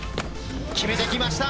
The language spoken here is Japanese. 決めてきました。